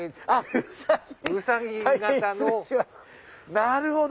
なるほど！